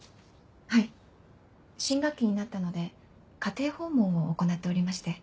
はい新学期になったので家庭訪問を行っておりまして。